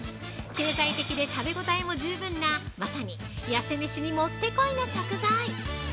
経済的で食べ応えも十分なまさに痩せめしにもってこいの食材。